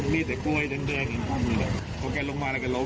มีแต่ก้วยเดือนอย่างค่อนข้างนี้แหละ